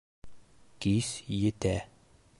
Кис етә.